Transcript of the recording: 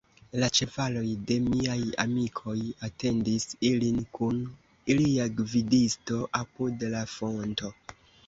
La ĉevaloj de miaj amikoj atendis ilin kun ilia gvidisto apud la fonto.